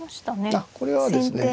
あっこれはですね